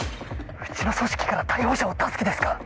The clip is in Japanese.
うちの組織から逮捕者を出す気ですか？